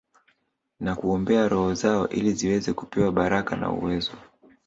Na kuombea roho zao ili ziweze kupewa baraka na uwezo